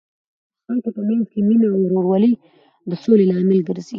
د خلکو په منځ کې مینه او ورورولي د سولې لامل ګرځي.